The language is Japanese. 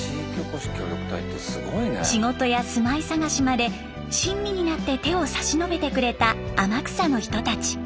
仕事や住まい探しまで親身になって手を差し伸べてくれた天草の人たち。